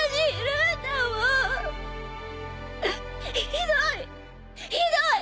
ひどいひどい！